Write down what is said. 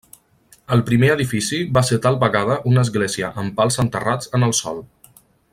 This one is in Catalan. El primer edifici va ser tal vegada una església amb pals enterrats en el sòl.